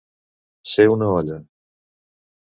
Ser una olla.